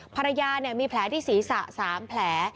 ภรรยามีแผลที่ศีรษะ๓แผล